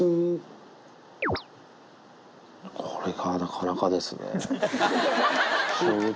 これはなかなかですね。